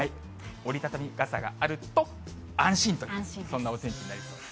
折り畳み傘があると安心という、そんなお天気になりそうです。